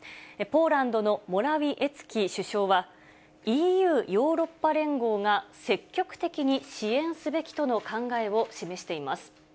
ポーランドのモラウィエツキ首相は、ＥＵ・ヨーロッパ連合が積極的に支援すべきとの考えを示しています。